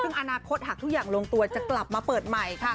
ซึ่งอนาคตหากทุกอย่างลงตัวจะกลับมาเปิดใหม่ค่ะ